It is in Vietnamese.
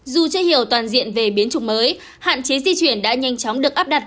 dù chưa hiểu toàn diện về biến chủng mới hạn chế di chuyển đã nhanh chóng được áp đặt